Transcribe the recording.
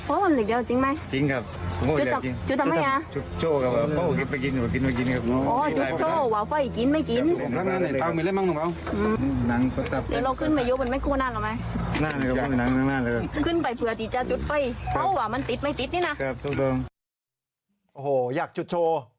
โอ้โหอยากจุดโชว์